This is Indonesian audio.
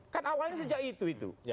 kan awalnya sejak itu itu